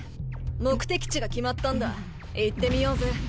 目的地が決まったんだ行ってみようぜ。